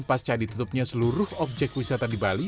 pasca ditutupnya seluruh objek wisata di bali